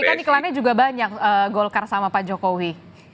kan iklannya juga banyak golkar sama pak jokowi